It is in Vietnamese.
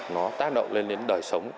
nó tác động lên đến đời sống